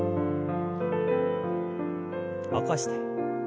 起こして。